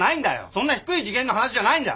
そんな低い次元の話じゃないんだ！